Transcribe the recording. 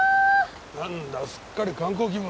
なんだすっかり観光気分だな。